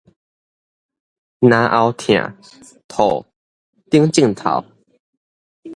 嚨喉疼、吐等症頭